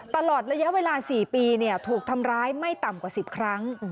ตลอดระยะเวลา๔ปีถูกทำร้ายไม่ต่ำกว่า๑๐ครั้ง